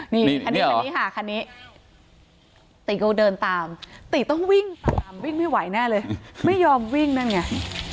นี่คันนี้คันนี้ค่ะคันนี้ติก็เดินตามตีต้องวิ่งตามวิ่งไม่ไหวแน่เลยไม่ยอมวิ่งนั่นไง